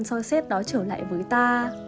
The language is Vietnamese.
doi xét đó trở lại với ta